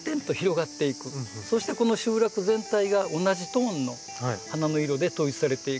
そしてこの集落全体が同じトーンの花の色で統一されていく。